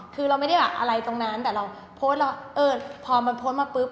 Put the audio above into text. คือเราไม่ได้แบบอะไรตรงนั้นแต่เราพดเราเออพร้อมเพราะพตมาปุ๊บ